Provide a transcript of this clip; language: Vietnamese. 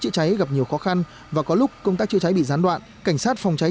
chữa cháy gặp nhiều khó khăn và có lúc công tác chữa cháy bị gián đoạn cảnh sát phòng cháy